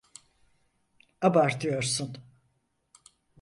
Abartıyorsun.